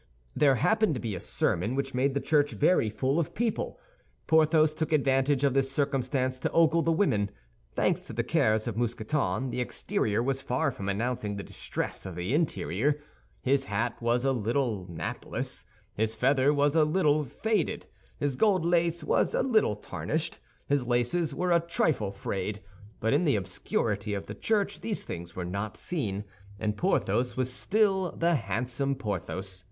There happened to be a sermon, which made the church very full of people. Porthos took advantage of this circumstance to ogle the women. Thanks to the cares of Mousqueton, the exterior was far from announcing the distress of the interior. His hat was a little napless, his feather was a little faded, his gold lace was a little tarnished, his laces were a trifle frayed; but in the obscurity of the church these things were not seen, and Porthos was still the handsome Porthos.